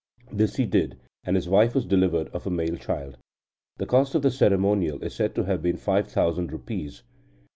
This he did, and his wife was delivered of a male child. The cost of the ceremonial is said to have been five thousand rupees.